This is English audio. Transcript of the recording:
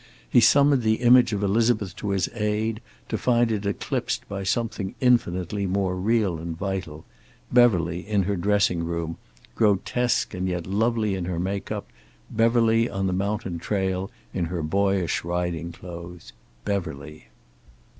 He summoned the image of Elizabeth to his aid, to find it eclipsed by something infinitely more real and vital. Beverly in her dressing room, grotesque and yet lovely in her make up; Beverly on the mountain trail, in her boyish riding clothes. Beverly.